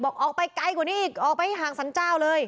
ออกไปไกลกว่านี้อีกออกไปห่างสรรเจ้าเลย